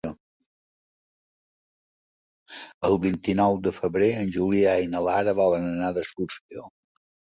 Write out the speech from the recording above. El vint-i-nou de febrer en Julià i na Lara volen anar d'excursió.